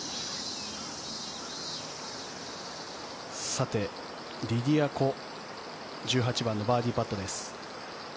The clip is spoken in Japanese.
さて、リディア・コ１８番のバーディーパットです。